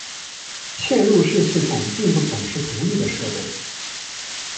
嵌入式系统并不总是独立的设备。